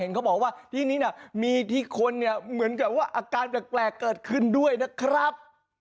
เขาบอกว่าที่นี่มีที่คนเนี่ยเหมือนกับว่าอาการแปลกเกิดขึ้นด้วยนะครับ